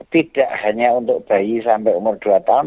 tidak hanya untuk bayi sampai umur dua tahun